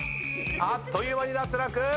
あっという間に脱落！